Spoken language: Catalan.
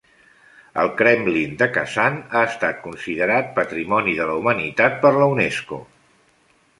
El Kremlin de Kazan ha estat considerat Patrimoni de la Humanitat per la Unesco.